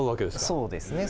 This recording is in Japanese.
そうですね。